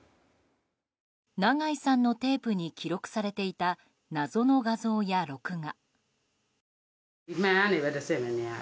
長井さんのテープに記録されていた謎の画像や録画。